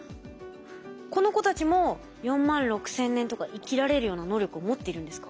この子たちも４万６千年とか生きられるような能力を持っているんですか？